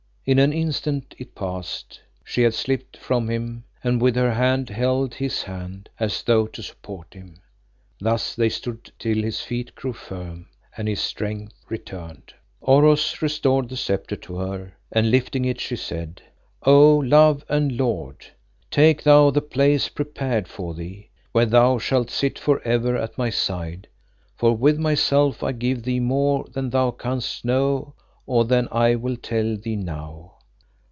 In an instant it passed. She had slipped from him and with her hand held his hand as though to support him. Thus they stood till his feet grew firm and his strength returned. Oros restored the sceptre to her, and lifting it she said "O love and lord, take thou the place prepared for thee, where thou shalt sit for ever at my side, for with myself I give thee more than thou canst know or than I will tell thee now.